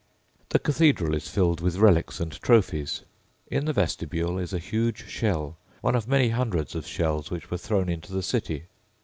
The cathedral is filled with relics and trophies. In the vestibule is a huge shell, one of many hundreds of shells which were thrown into the city.